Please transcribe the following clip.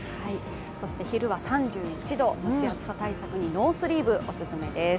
そして昼は３１度、蒸し暑さ対策にノースリーブ、お勧めです。